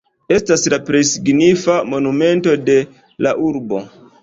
Estas la plej signifa monumento de la urbo.